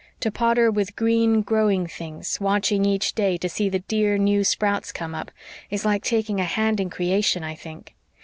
To potter with green, growing things, watching each day to see the dear, new sprouts come up, is like taking a hand in creation, I think.